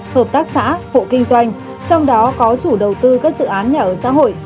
hợp tác xã hộ kinh doanh trong đó có chủ đầu tư các dự án nhà ở xã hội